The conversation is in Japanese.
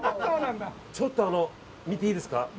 ちょっと見ていいですか。